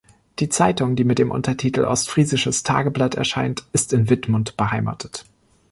Die Zeitung, die mit dem Untertitel „Ostfriesisches Tageblatt“ erscheint, ist in Wittmund beheimatet.